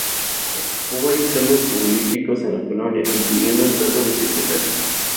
Ocupó varios cargos públicos en la colonia, incluyendo el cargo de secretario.